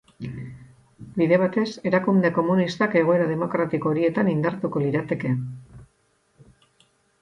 Bide batez, erakunde komunistak egoera demokratiko horietan indartuko lirateke.